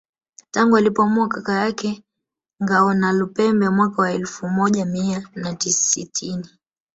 Tangu alipomuua kaka yake Ngawonalupembe mwaka wa elfu moja mia na sitini